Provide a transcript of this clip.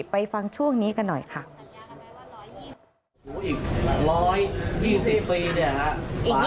ไปฟังช่วงนี้กันหน่อยค่ะสัญญากันไหมว่าอีกร้อยยี่สิบปีเนี่ยค่ะ